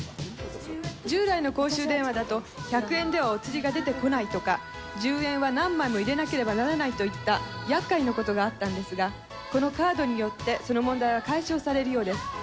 従来の公衆電話だと、１００円ではお釣りが出てこないとか、１０円は何枚も入れなければならないとか、やっかいなことがあったんですが、このカードによってその問題は解消されるようです。